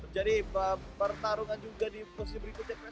jadi pertarungan juga di posisi berikutnya